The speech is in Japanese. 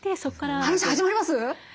えっ話始まります？